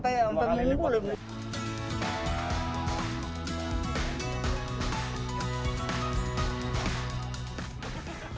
iya bengkok empat mm